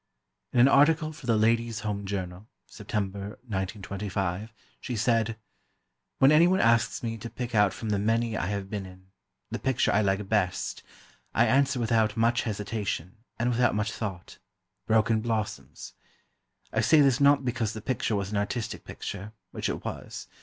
In an article for the Ladies' Home Journal (Sept., 1925) she said: When anyone asks me to pick out from the many I have been in, the picture I like best, I answer without much hesitation, and without much thought, "Broken Blossoms." I say this not because the picture was an artistic picture, which it was.